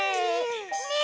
ねえ！